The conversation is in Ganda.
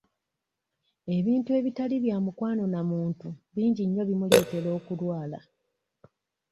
Ebintu ebitali bya mukwano na muntu bingi nnyo ebimuleetera okulwala.